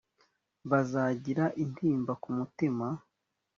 bazagira intimba ku mutima